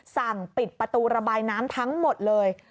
สั่งปิดประตูระบายน้ำทั้งหมดเลย